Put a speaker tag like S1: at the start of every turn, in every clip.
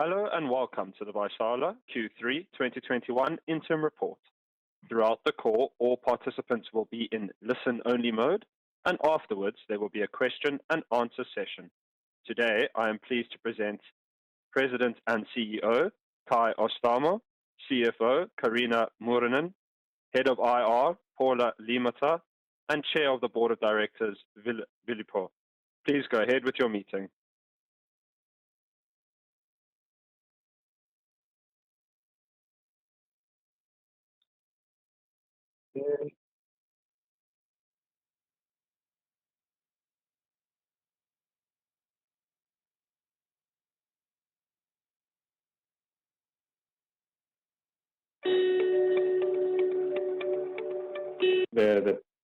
S1: Hello, and welcome to the Vaisala Q3 2021 interim report. Throughout the call, all participants will be in listen-only mode, and afterwards there will be a question and answer session. Today I am pleased to present President and CEO, Kai Öistämö, CFO, Kaarina Muurinen, Head of IR, Paula Liimatta, and Chair of the Board of Directors, Ville Voipio. Please go ahead with your meeting.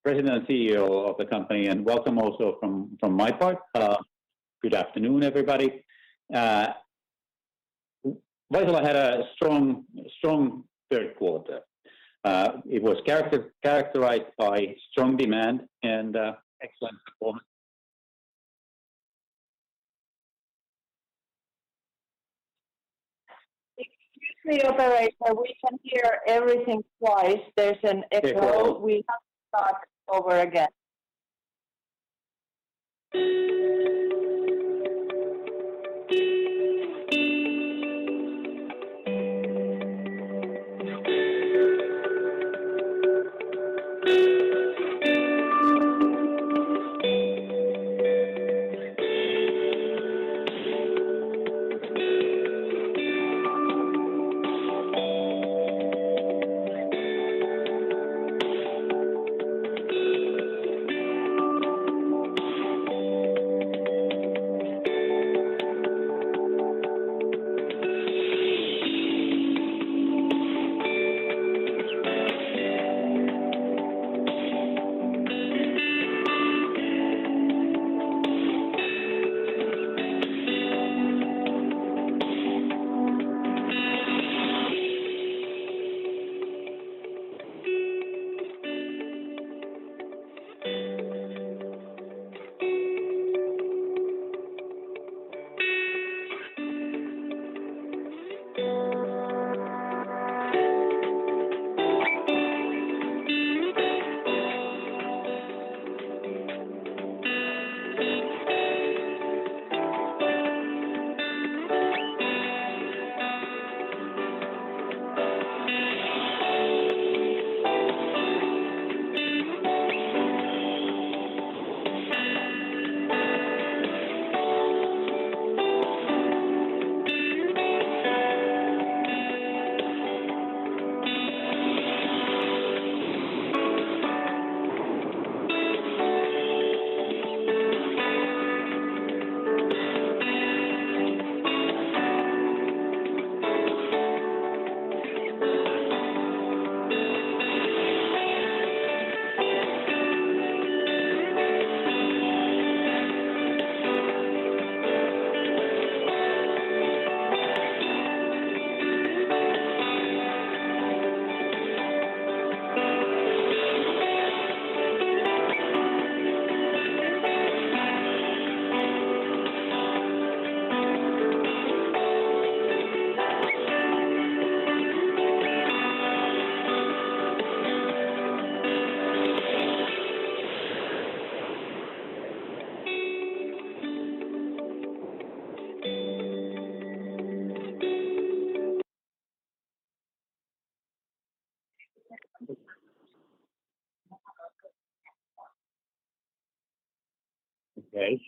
S2: The President and CEO of the company and welcome also from my part. Good afternoon, everybody. Vaisala had a strong third quarter. It was characterized by strong demand and excellent performance.
S3: Excuse me, Operator. We can hear everything twice. There's an echo.
S1: Okay.
S3: We have to start over again.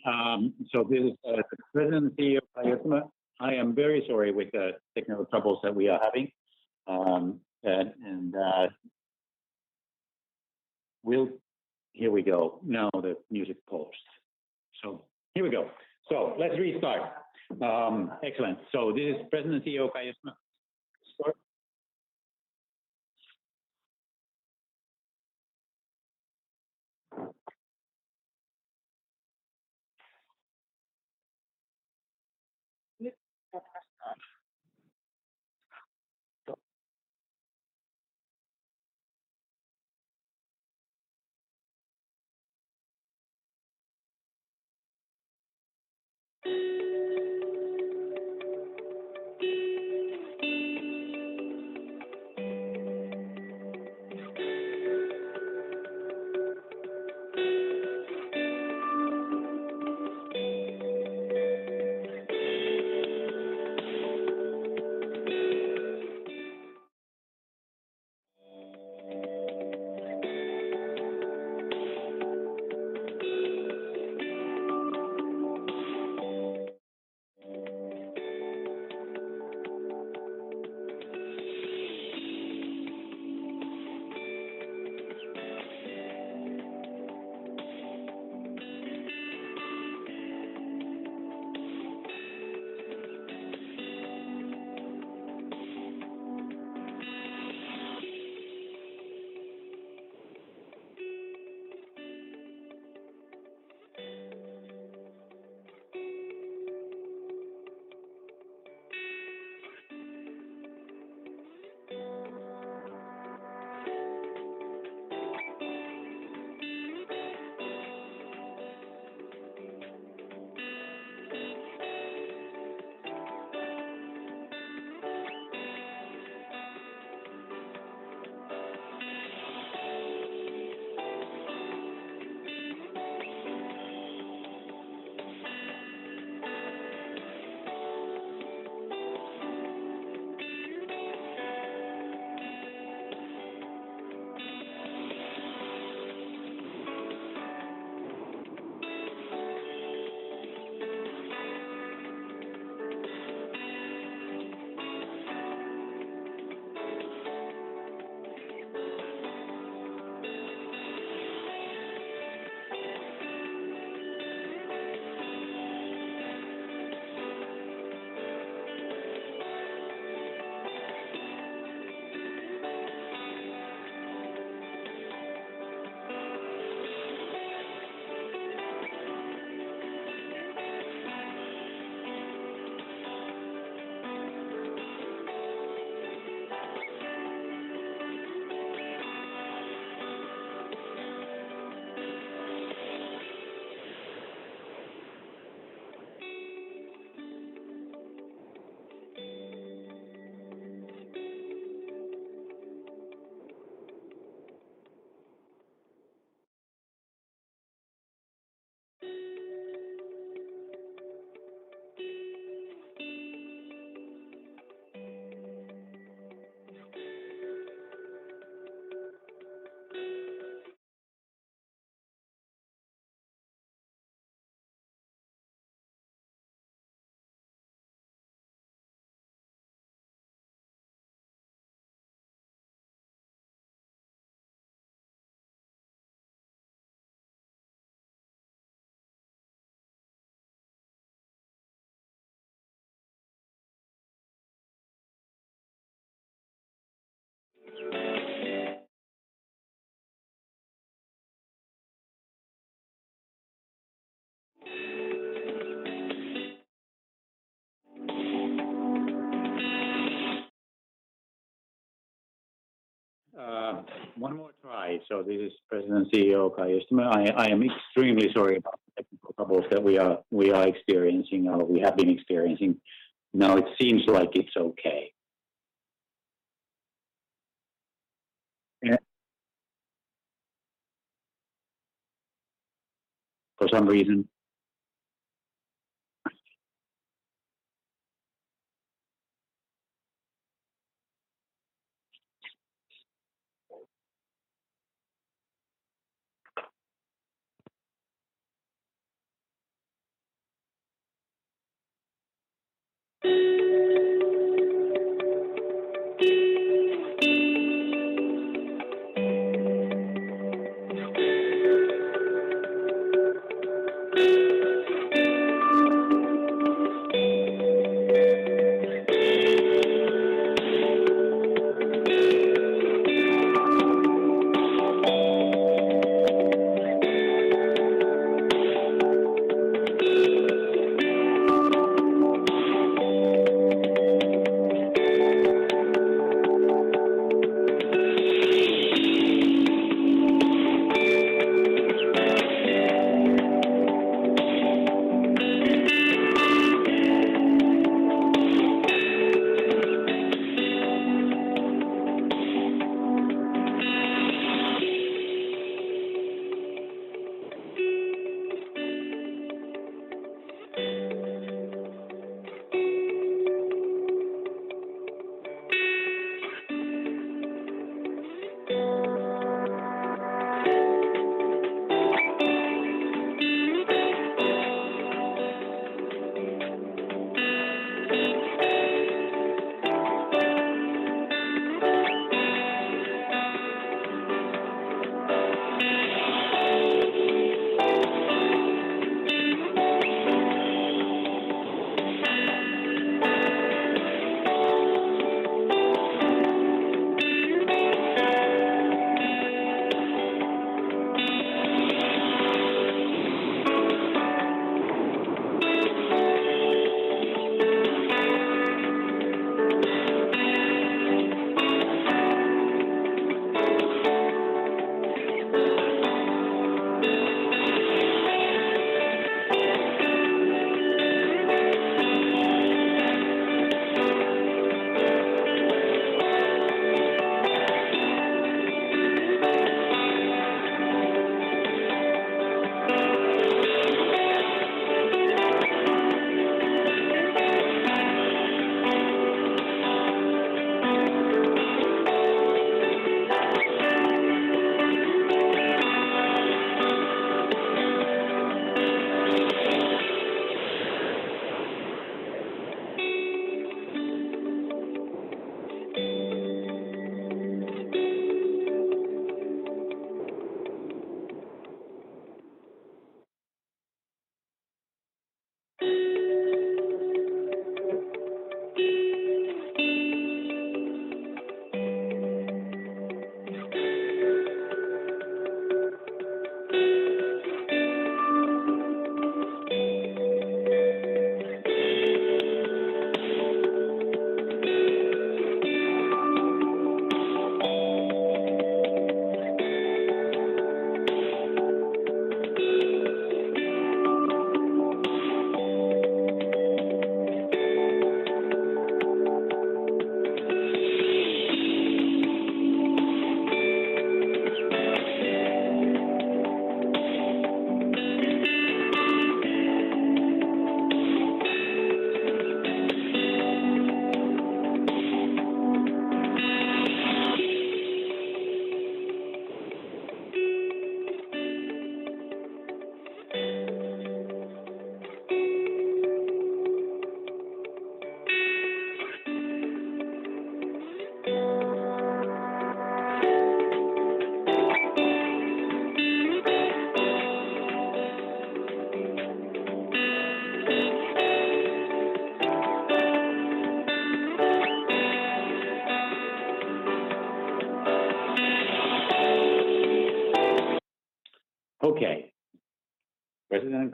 S2: Okay, this is President and CEO Kai Öistämö. I am very sorry with the technical troubles that we are having. Here we go. Now the music paused. Here we go. Let's restart. Excellent. This is President and CEO Kai Öistämö. Start. One more try. This is President and CEO Kai Öistämö. I am extremely sorry about the technical problems that we are experiencing or we have been experiencing. Now it seems like it's okay. Yeah. For some reason. Okay. President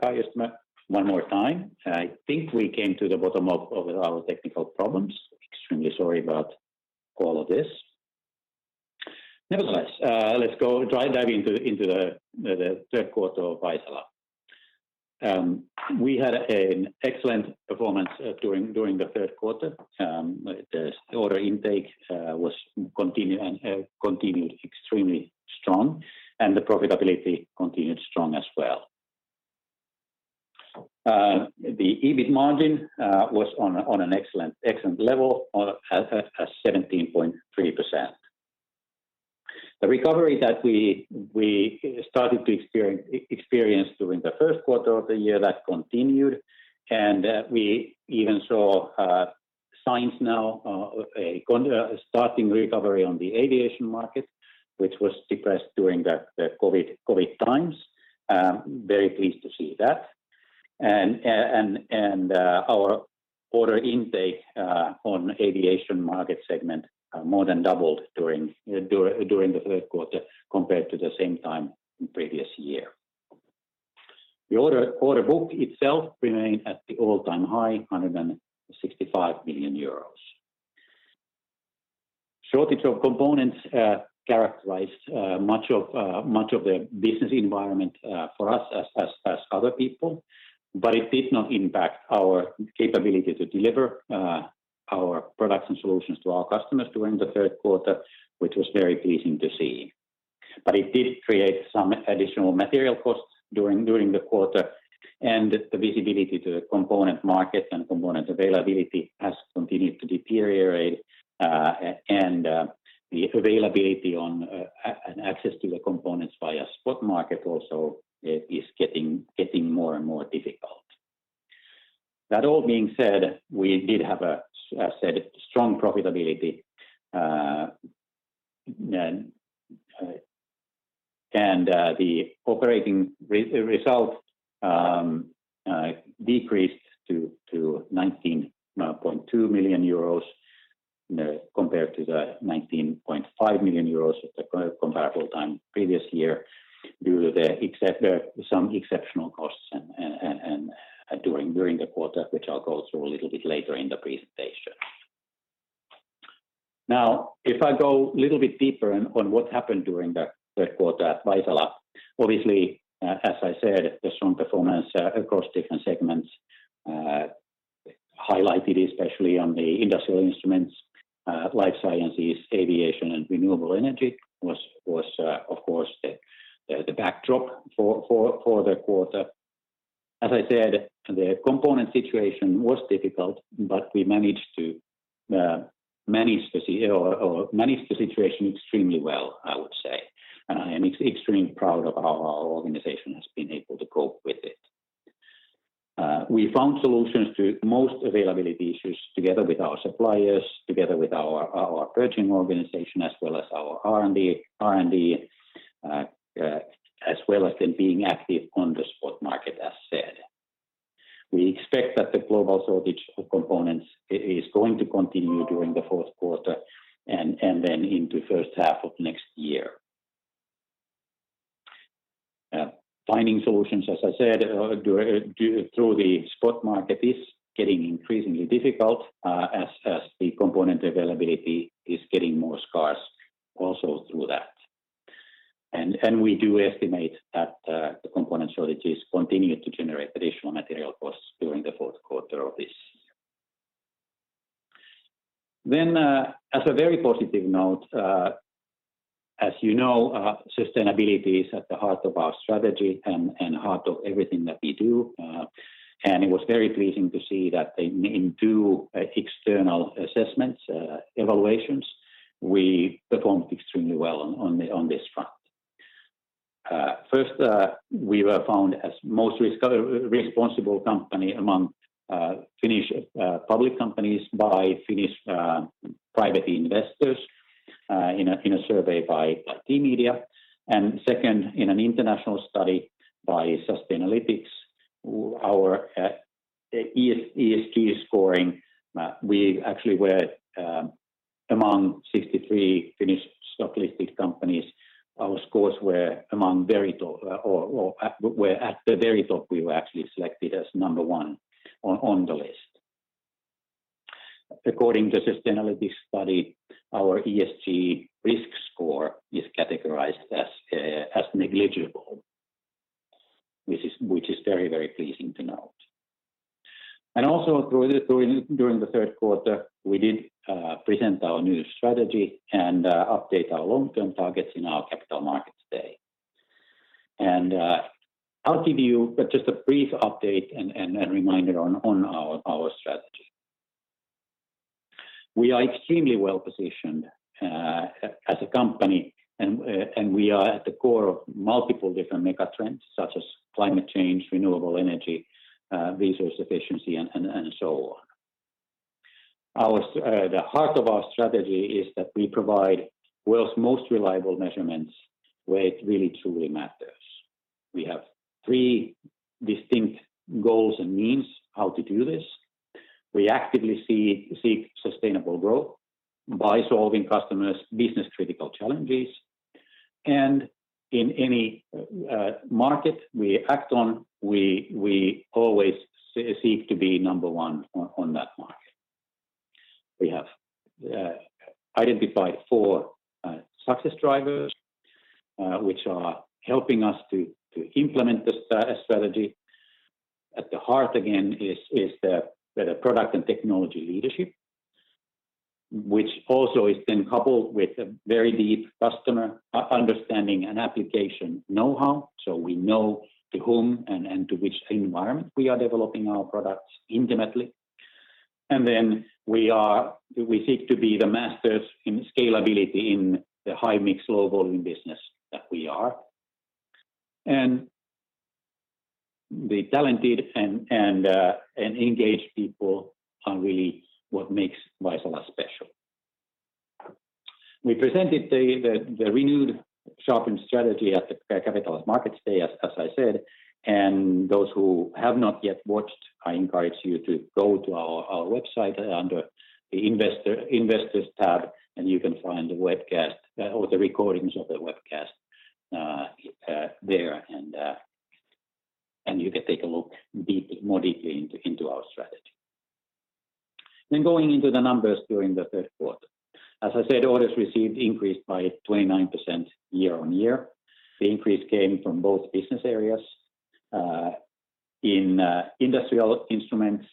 S2: Kai Öistämö, one more time. I think we came to the bottom of our technical problems. Extremely sorry about all of this. Nevertheless, let's go dive into the third quarter of Vaisala. We had an excellent performance during the third quarter. The order intake was continued extremely strong, and the profitability continued strong as well. The EBIT margin was on an excellent level at 17.3%. The recovery that we started to experience during the first quarter of the year that continued, and we even saw signs now of a starting recovery on the aviation market, which was depressed during the COVID times. Very pleased to see that. Our order intake on aviation market segment more than doubled during the third quarter compared to the same time in previous year. The order book itself remained at the all-time high, 165 million euros. Shortage of components characterized much of the business environment for us as other people, but it did not impact our capability to deliver our products and solutions to our customers during the third quarter, which was very pleasing to see. It did create some additional material costs during the quarter, and the visibility to the component market and component availability has continued to deteriorate. The availability on and access to the components via spot market also is getting more and more difficult. That all being said, we did have a set of strong profitability and the operating result decreased to 19.2 million euros, you know, compared to the 19.5 million euros at the comparable time previous year due to the exceptional costs and during the quarter, which I'll go through a little bit later in the presentation. Now, if I go a little bit deeper on what happened during the third quarter at Vaisala, obviously, as I said, the strong performance across different segments, highlighted especially on the industrial instruments, life sciences, aviation, and renewable energy was, of course, the backdrop for the quarter. As I said, the component situation was difficult, but we managed to manage the situation extremely well, I would say, and I am extremely proud of how our organization has been able to cope with it. We found solutions to most availability issues together with our suppliers, together with our purchasing organization, as well as our R&D, as well as in being active on the spot market as said. We expect that the global shortage of components is going to continue during the fourth quarter and then into first half of next year. Finding solutions, as I said, through the spot market is getting increasingly difficult, as the component availability is getting more scarce also through that. We do estimate that the component shortages continue to generate additional material costs during the fourth quarter of this year. As a very positive note, as you know, sustainability is at the heart of our strategy and heart of everything that we do, and it was very pleasing to see that in two external assessments, evaluations, we performed extremely well on this front. First, we were found as most responsible company among Finnish public companies by Finnish private investors in a survey by T-Media. Second, in an international study by Sustainalytics, our ESG scoring, we actually were among 63 Finnish stock-listed companies, our scores were among the very top, we were actually selected as number one on the list. According to Sustainalytics study, our ESG risk score is categorized as negligible, which is very pleasing to note. Also during the third quarter, we did present our new strategy and update our long-term targets in our Capital Markets Day. I'll give you just a brief update and reminder on our strategy. We are extremely well-positioned as a company, and we are at the core of multiple different mega trends, such as climate change, renewable energy, resource efficiency, and so on. The heart of our strategy is that we provide world's most reliable measurements where it really truly matters. We have three distinct goals and means how to do this. We actively seek sustainable growth by solving customers' business-critical challenges. In any market we act on, we always seek to be number one on that market. We have identified four success drivers which are helping us to implement the strategy. At the heart, again, is the product and technology leadership, which also is then coupled with a very deep customer understanding and application know-how, so we know to whom and to which environment we are developing our products intimately. Then we seek to be the masters in scalability in the high mix, low volume business that we are. The talented and engaged people are really what makes Vaisala special. We presented the renewed sharpened strategy at the Capital Markets Day, as I said, and those who have not yet watched, I encourage you to go to our website under the Investors tab, and you can find the webcast or the recordings of the webcast there, and you can take a look more deeply into our strategy. Going into the numbers during the third quarter. As I said, orders received increased by 29% year-on-year. The increase came from both business areas, in industrial measurements,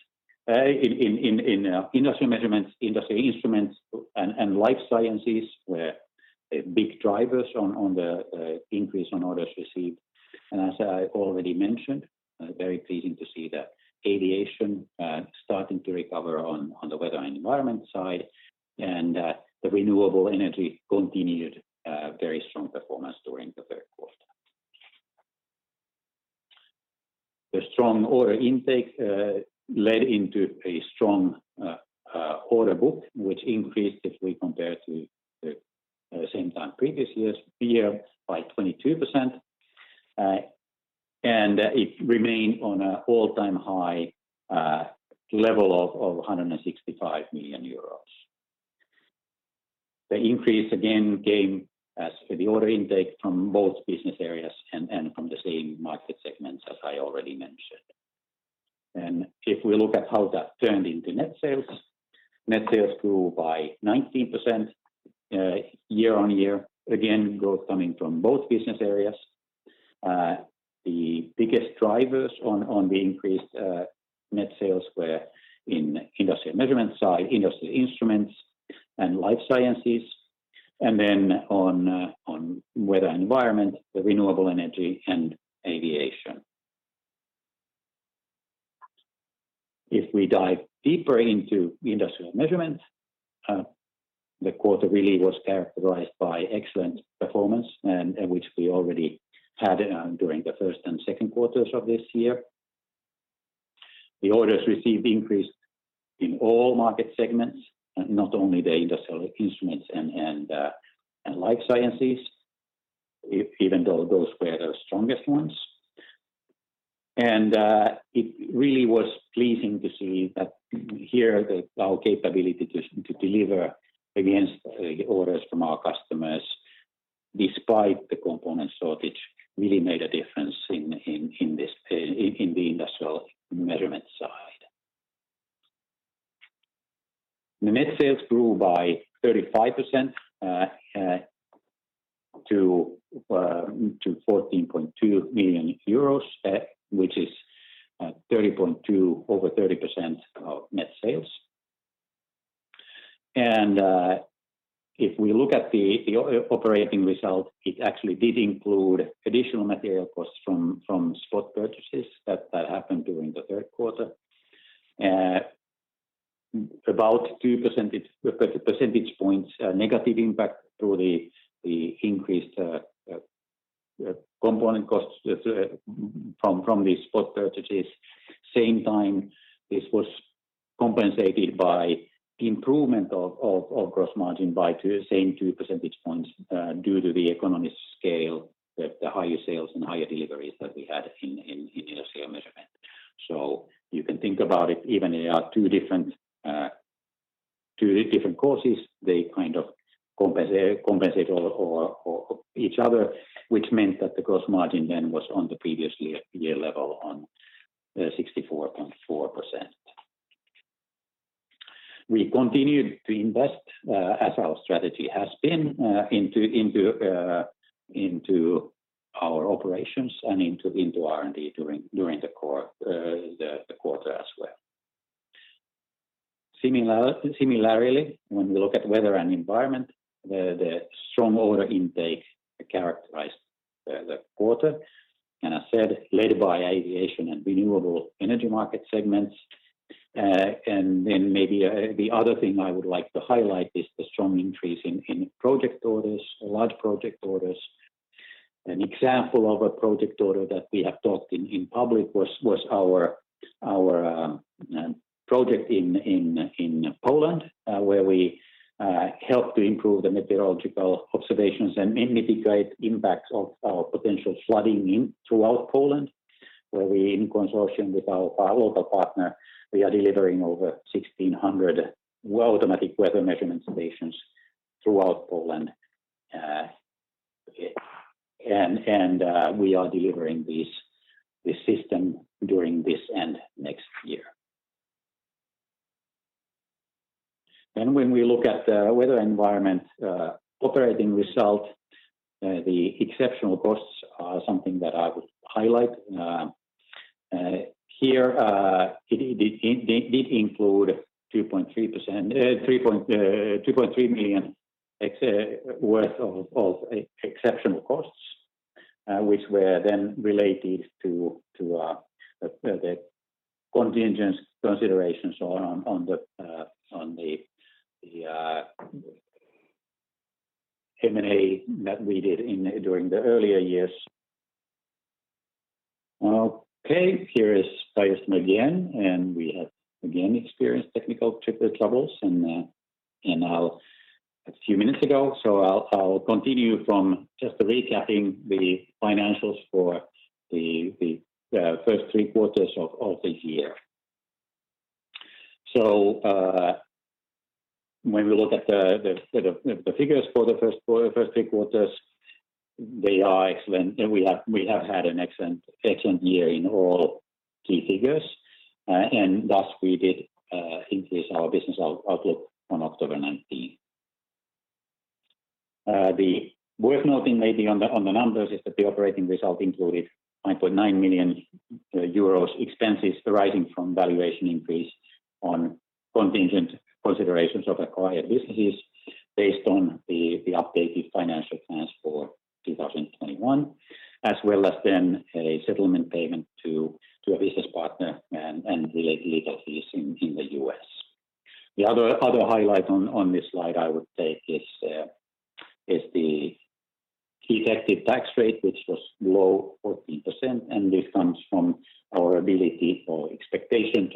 S2: industrial instruments, and life sciences were big drivers on the increase in orders received. As I already mentioned, very pleasing to see the aviation starting to recover on the weather and environment side and the renewable energy continued very strong performance during the third quarter. The strong order intake led into a strong order book, which increased if we compare to the same time previous year by 22%. It remained on an all-time high level of 165 million euros. The increase again came from the order intake from both business areas and from the same market segments as I already mentioned. If we look at how that turned into net sales, net sales grew by 19% year-on-year, again, growth coming from both business areas. The biggest drivers of the increased net sales were in Industrial Measurements side, Industrial Instruments, and Life Science, and then in Weather and Environment, the Renewable Energy and Aviation. If we dive deeper into Industrial Measurements, the quarter really was characterized by excellent performance, which we already had during the first and second quarters of this year. The orders received increased in all market segments, not only the Industrial Instruments and Life Science, even though those were the strongest ones. It really was pleasing to see that here our capability to deliver against orders from our customers, despite the component shortage, really made a difference in this in the Industrial Measurements side. The net sales grew by 35% to 14.2 million euros, which is 30.2% over 30% of net sales. If we look at the operating result, it actually did include additional material costs from spot purchases that happened during the third quarter, about two percentage points negative impact through the increased component costs from these spot purchases. At the same time, this was compensated by improvement of gross margin by the same two percentage points due to the economies of scale with the higher sales and higher deliveries that we had in industrial measurement. You can think about it even though they are two different causes. They kind of compensate for each other, which meant that the gross margin then was on the previous year level on 64.4%. We continued to invest as our strategy has been into our operations and into R&D during the quarter as well. Similarly, when we look at Weather and Environment, the strong order intake characterized the quarter, and as I said, led by Aviation and Renewable Energy market segments. Maybe the other thing I would like to highlight is the strong increase in large project orders. An example of a project order that we have talked in public was our project in Poland, where we helped to improve the meteorological observations and mitigate impacts of potential flooding throughout Poland, where we, in consortium with our local partner, are delivering over 1,600 automatic weather measurement stations throughout Poland. We are delivering this system during this and next year. When we look at the Weather and Environment operating result, the exceptional costs are something that I would highlight. Here, it did include 2.3%. 2.3 million worth of exceptional costs, which were then related to the contingent considerations on the M&A that we did during the earlier years. Okay, here is Kai Öistämö again, and we have again experienced technical troubles and now a few minutes ago, so I'll continue from just recapping the financials for the first three quarters of the year. When we look at the figures for the first three quarters, they are excellent, and we have had an excellent year in all key figures, and thus we did increase our business outlook on October 19th. It's worth noting maybe on the numbers is that the operating result included 0.9 million euros expenses arising from valuation increase on contingent considerations of acquired businesses based on the updated financial plans for 2021, as well as a settlement payment to a business partner and legal fees in the U.S. The other highlight on this slide I would take is the effective tax rate, which was low 14%, and this comes from our ability or expectation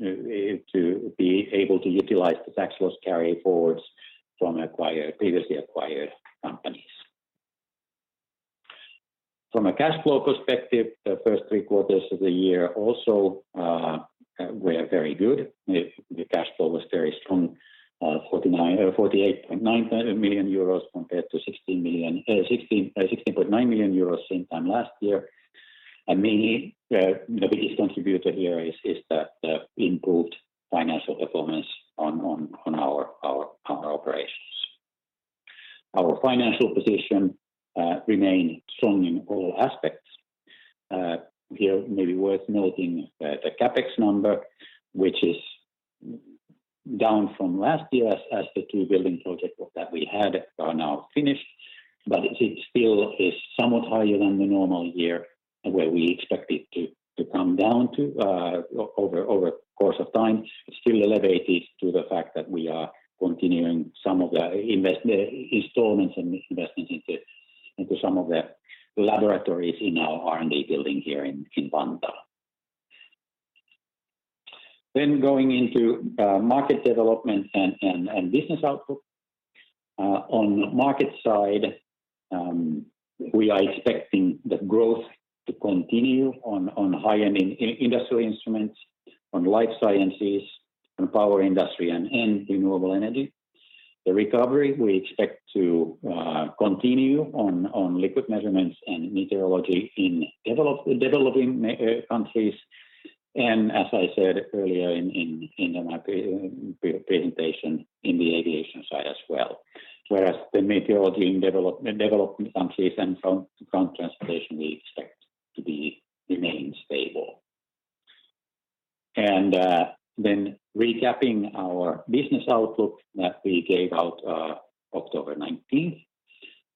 S2: to be able to utilize the tax loss carryforwards from previously acquired companies. From a cash flow perspective, the first three quarters of the year also were very good. The cash flow was very strong, 48.9 million euros compared to 16 million. 16.9 million euros same time last year. Mainly, the biggest contributor here is that the improved financial performance on our operations. Our financial position remained strong in all aspects. Here maybe worth noting the CapEx number, which is down from last year as the two building projects that we had are now finished, but it still is somewhat higher than the normal year where we expect it to come down to over the course of time, still elevated to the fact that we are continuing some of the installments and investments into some of the laboratories in our R&D building here in Vantaa. Going into market development and business outlook. On market side, we are expecting the growth to continue on high-end in industrial instruments, on life sciences, on power industry and in renewable energy. The recovery we expect to continue on liquid measurements and meteorology in developing countries, and as I said earlier in my presentation, in the aviation side as well. Whereas the meteorology in developing countries and transportation we expect to remain stable. Recapping our business outlook that we gave out October 19th,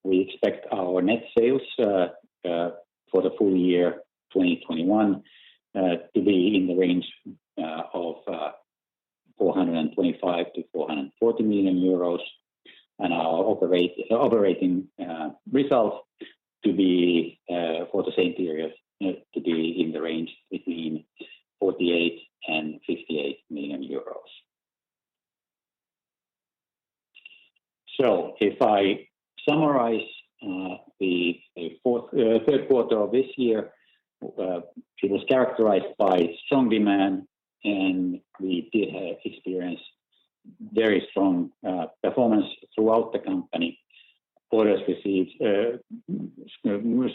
S2: we expect our net sales for the full year 2021 to be in the range of 425 million-440 million euros, and our operating results to be for the same period to be in the range between 48 million-58 million euros. If I summarize, the third quarter of this year it was characterized by strong demand, and we have experienced very strong performance throughout the company. Orders received, massive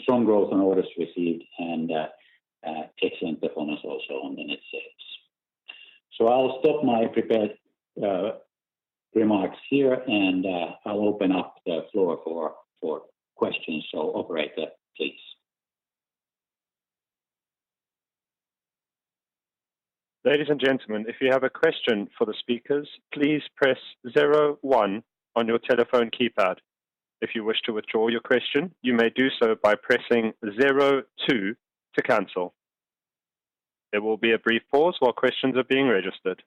S2: strong growth on orders received and excellent performance also on unit sales. I'll stop my prepared remarks here, and I'll open up the floor for questions. Operator, please.
S1: Ladies and gentlemen, if you have a question for the speakers, please press zero one on your telephone keypad. If you wish to withdraw your question, you may do so by pressing zero two to cancel. There will be a brief pause while questions are being registered.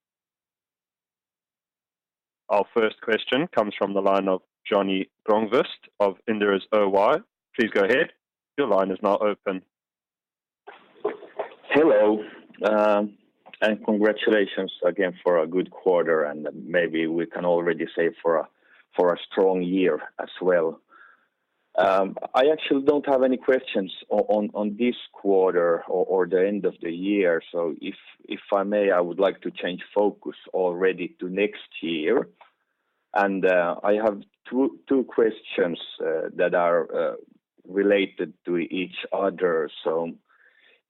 S1: Our first question comes from the line of Joni Grönqvist of Inderes Oy. Please go ahead. Your line is now open.
S4: Hello, and congratulations again for a good quarter, and maybe we can already say for a strong year as well. I actually don't have any questions on this quarter or the end of the year. If I may, I would like to change focus already to next year. I have two questions that are related to each other.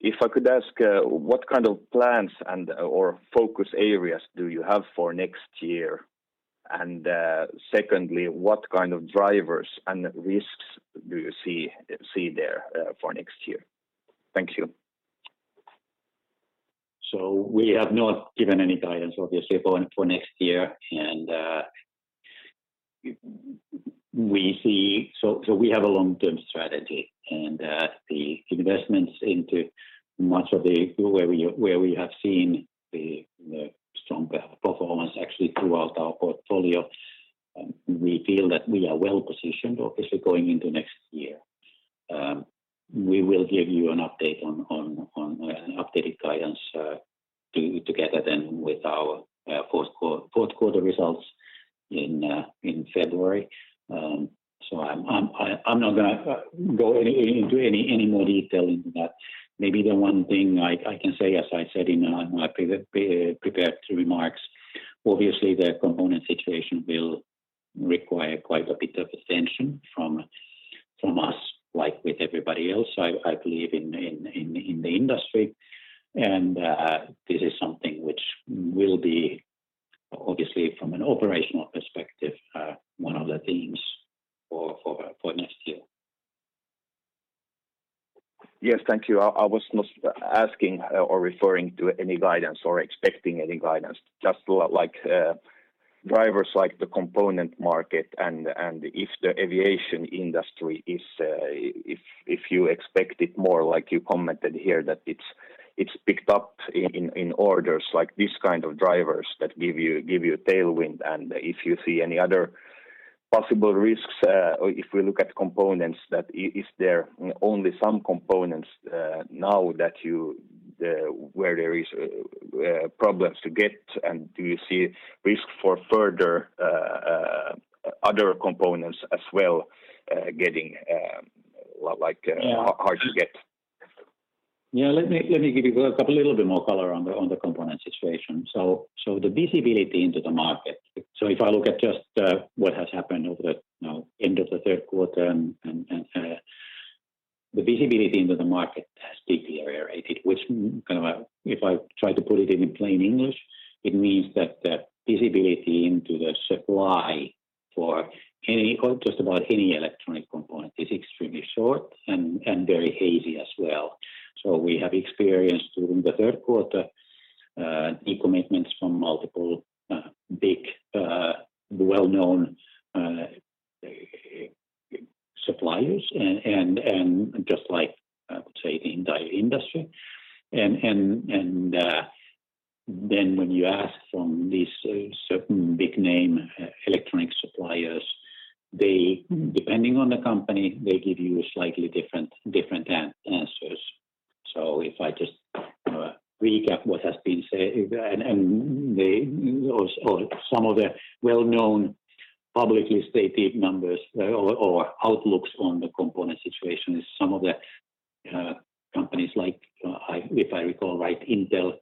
S4: If I could ask, what kind of plans and/or focus areas do you have for next year? Secondly, what kind of drivers and risks do you see there for next year? Thank you.
S2: We have not given any guidance obviously for next year. We have a long-term strategy and the investments into much of the where we have seen the strong performance actually throughout our portfolio. We feel that we are well-positioned obviously going into next year. We will give you an update on an updated guidance together then with our fourth quarter results in February. I'm not gonna go into any more detail into that. Maybe the one thing I can say, as I said in my prepared remarks, obviously the component situation will require quite a bit of attention from us, like with everybody else I believe in the industry. This is something which will be obviously from an operational perspective, one of the themes for next year.
S4: Yes. Thank you. I was not asking or referring to any guidance or expecting any guidance. Just like, drivers like the component market and if the aviation industry is, if you expect it more like you commented here that it's picked up in orders, like these kind of drivers that give you a tailwind. If you see any other possible risks, or if we look at components that is there only some components, now that you where there is problems to get and do you see risk for further other components as well, getting like hard to get?
S2: Yeah. Let me give you a little bit more color on the component situation. The visibility into the market. If I look at just what has happened over the end of the third quarter and the visibility into the market has deteriorated, which kind of, if I try to put it in plain English, it means that the visibility into the supply for any or just about any electronic component is extremely short and very hazy as well. We have experienced during the third quarter decommitments from multiple big well-known suppliers and just like I would say the entire industry. Then when you ask from these certain big name electronic suppliers, they depending on the company, they give you a slightly different answers. If I just, you know, recap what has been said and some of the well-known publicly stated numbers or outlooks on the component situation. Some of the companies like, if I recall right, Intel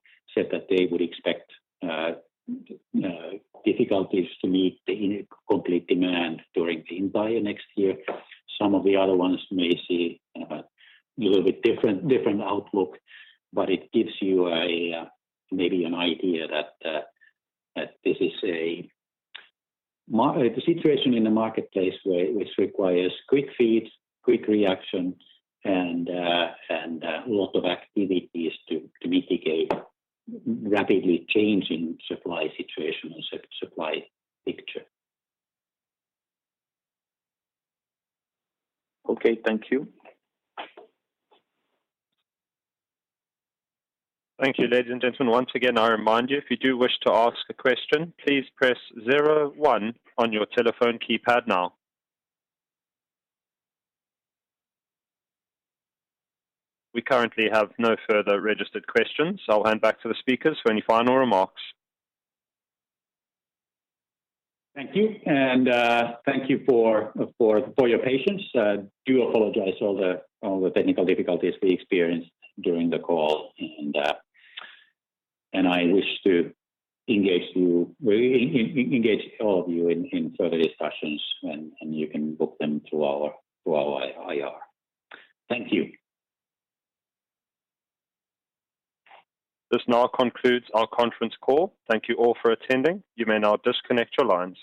S2: said that they would expect difficulties to meet the complete demand during the entire next year. Some of the other ones may see a little bit different outlook, but it gives you a maybe an idea that this is the situation in the marketplace which requires quick fixes, quick reactions and a lot of activities to mitigate rapidly changing supply situation or supply picture.
S4: Okay. Thank you.
S1: Thank you. Ladies and gentlemen, once again, I remind you if you do wish to ask a question, please press zero one on your telephone keypad now. We currently have no further registered questions. I'll hand back to the speakers for any final remarks.
S2: Thank you. Thank you for your patience. I do apologize for all the technical difficulties we experienced during the call, and I wish to engage all of you in further discussions, and you can book them through our IR. Thank you.
S1: This now concludes our conference call. Thank you all for attending. You may now disconnect your lines.